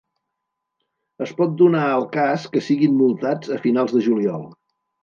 Es pot donar el cas que siguin multats a finals de juliol.